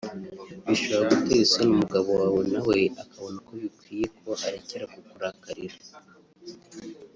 bishobora gutera isoni umugabo wawe nawe akabona ko bikwiye ko arekera kukurakarira